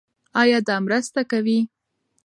ایا دا مرسته کوي؟